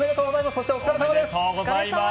そしてお疲れさまです。